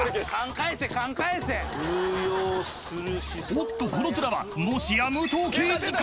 ［おっとこのヅラはもしや武藤敬司か⁉］